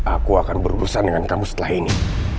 aku akan berurusan dengan kamu setelah ini